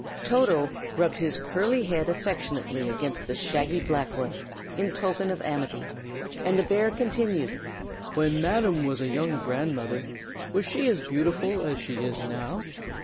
Toto rubbed his curly head affectionately against the shaggy black one, in token of amity, and the bear continued: "When Madam was a young grandmother, was she as beautiful as she is now?"